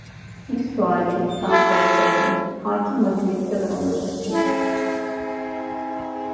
İlk suali ben sorsaydım, hakim vaziyette ben olacaktım.